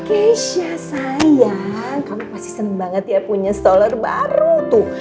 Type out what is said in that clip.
keshia sayang kamu pasti seneng banget ya punya stroller baru tuh